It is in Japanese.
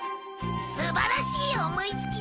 素晴らしい思いつきだ。